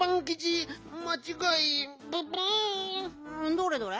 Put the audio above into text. どれどれ？